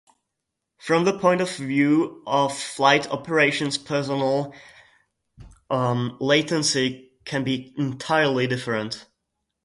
From the point of view of flight operations personnel, latency can be entirely different.